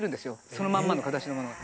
そのまんまの形のものが。